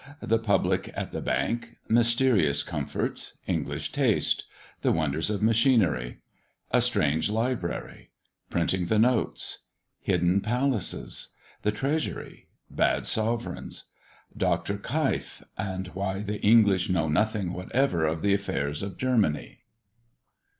THE PUBLIC AT THE BANK. MYSTERIOUS COMFORTS. ENGLISH TASTE. THE WONDERS OF MACHINERY. A STRANGE LIBRARY. PRINTING THE NOTES. HIDDEN PALACES. THE TREASURY. BAD SOVEREIGNS. DR. KEIF; AND WHY THE ENGLISH KNOW NOTHING WHATEVER OF THE AFFAIRS OF GERMANY.